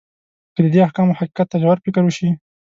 که د دې احکامو حقیقت ته ژور فکر وشي.